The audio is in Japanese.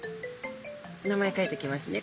名前書いときますね。